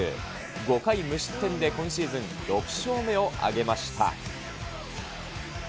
５回無失点で今シーズン６勝目を挙げました。